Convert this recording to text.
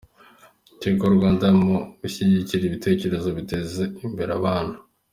Tigo Rwanda mu gushyigikira ibitekerezo biteza imbere abana